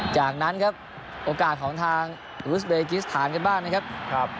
จากนั้นครับโอกาสของทางท่านกันบ้างครับ